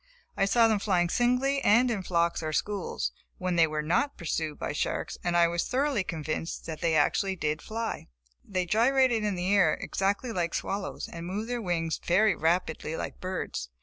I saw them flying singly and in flocks or schools, when they were not pursued by sharks and I was thoroughly convinced that they did actually fly. They gyrated in the air exactly like swallows, and moved their wings very rapidly like birds.